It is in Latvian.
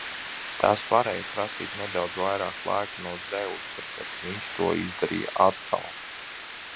Tas varēja prasīt nedaudz vairāk laika no Zeusa, bet viņš to izdarīja atkal!